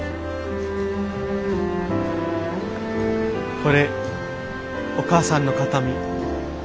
これお母さんの形見。